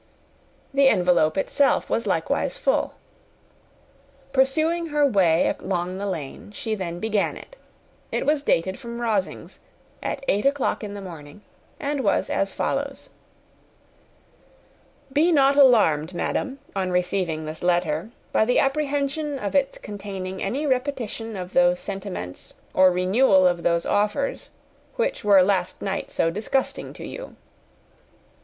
The envelope itself was likewise full. Pursuing her way along the lane, she then began it. It was dated from Rosings, at eight o'clock in the morning, and was as follows: "Be not alarmed, madam, on receiving this letter, by the apprehension of its containing any repetition of those sentiments, or renewal of those offers, which were last night so disgusting to you.